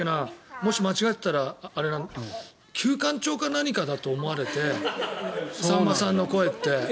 もし間違っていたらあれなんだけど九官鳥か何かだと思われてさんまさんの声って。